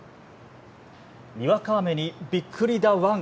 にわか雨にびっくりだワン。